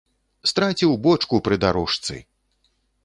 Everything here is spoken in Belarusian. Страціў бочку пры дарожцы!